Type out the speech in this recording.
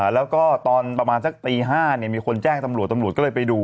แล้วก็ตอนประมาณสักตี๕มีคนแจ้งตำรวจตำรวจก็เลยไปดู